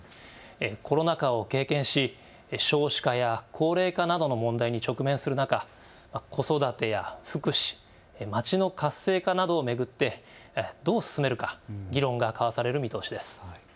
コロナ禍を経験し少子化や高齢化などの問題に直面する中、子育てや福祉、街の活性化などを巡ってどう進めるか議論が交わされる見通しです。